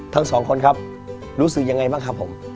ทั้งสองคนครับรู้สึกยังไงบ้างครับผม